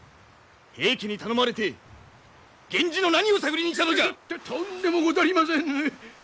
平家に頼まれて源氏の何を探りに来たのじゃ！ととんでもござりません。